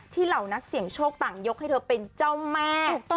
เหล่านักเสี่ยงโชคต่างยกให้เธอเป็นเจ้าแม่